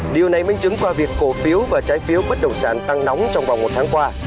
điều này minh chứng qua việc cổ phiếu và trái phiếu bất động sản tăng nóng trong vòng một tháng qua